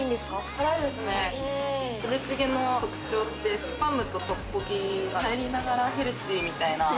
辛いですね、プデチゲの特徴ってスパムとトッポギが入りながらヘルシーみたいな。